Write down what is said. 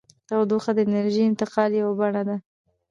تودوخه د انرژۍ د انتقال یوه بڼه ده.